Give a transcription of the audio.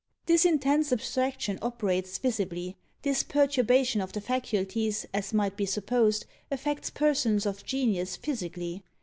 This intense abstraction operates visibly; this perturbation of the faculties, as might be supposed, affects persons of genius physically.